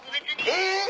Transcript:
えっ！